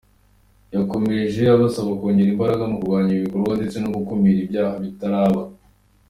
Yakomeje abasaba kongera imbaraga mu kurwanya ibi bikorwa ndetse no gukumira ibyaha bitaraba.